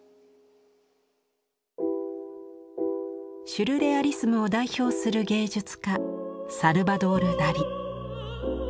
シュルレアリスムを代表する芸術家サルバドール・ダリ。